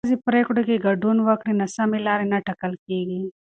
که ښځې پرېکړو کې ګډون وکړي، ناسمې لارې نه ټاکل کېږي.